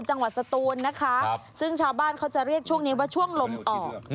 สตูนนะคะซึ่งชาวบ้านเขาจะเรียกช่วงนี้ว่าช่วงลมออก